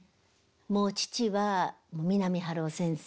もう父は三波春夫先生